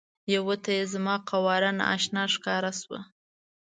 یوه ته یې زما قواره نا اشنا ښکاره شوه.